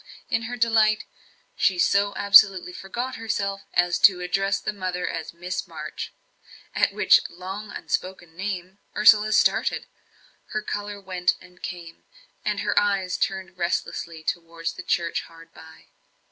In her delight, she so absolutely forgot herself as to address the mother as Miss March; at which long unspoken name Ursula started, her colour went and came, and her eyes turned restlessly towards the church hard by.